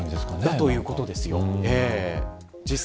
だということですよ。